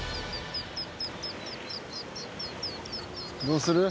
どうする？